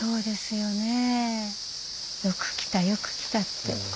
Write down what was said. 「よく来たよく来た」って。